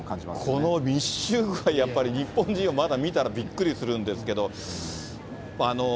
この密集具合、やっぱり日本人はまだ、見たらびっくりするんですけど。